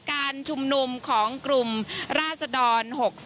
การชุมนุมของกลุ่มราศดร๖๓